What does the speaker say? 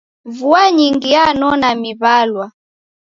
Vua nyingi yanona miw'alwa.